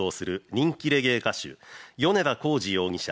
人気レゲエ歌手米田浩二容疑者